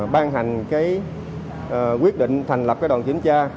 ban hành quyết định thành lập đoàn kiểm tra